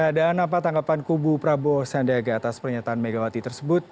ya dan apa tanggapan kubu prabowo sandega atas pernyataan megawati tersebut